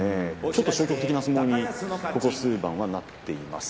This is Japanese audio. ちょっと消極的な相撲にここ数番なっています。